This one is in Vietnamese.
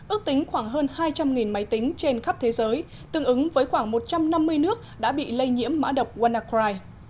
ước tính khoảng hơn hai trăm linh máy tính trên khắp thế giới tương ứng với khoảng một trăm năm mươi nước đã bị lây nhiễm mã độc wanacry